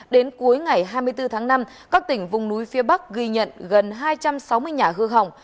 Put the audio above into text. đến cuối ngày hai mươi bốn tháng năm các tỉnh vùng núi phía bắc ghi nhận gần hai trăm sáu mươi nhà hư hỏng